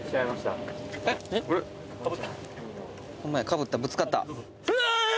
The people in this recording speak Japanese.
「かぶったぶつかった」